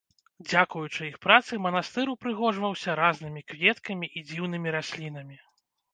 Дзякуючы іх працы манастыр упрыгожваўся разнымі кветкамі і дзіўнымі раслінамі.